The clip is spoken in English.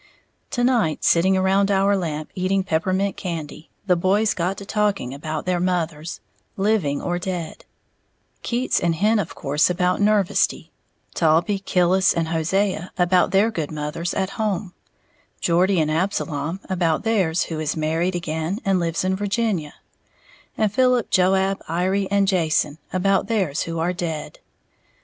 To night, sitting around our lamp, eating peppermint candy, the boys got to talking about their mothers, living or dead, Keats and Hen of course about Nervesty, Taulbee, Killis and Hosea about their good mothers at home, Geordie and Absalom about theirs who is married again and lives in Virginia, and Philip, Joab, Iry and Jason about theirs who are dead.